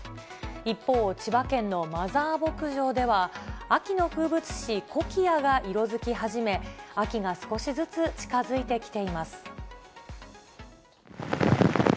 一方、千葉県のマザー牧場では、秋の風物詩、コキアが色づき始め、秋が少しずつ近づいてきています。